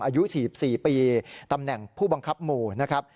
อายุ๔๔ปีตำแหน่งผู้บังคับหมู่นะครับ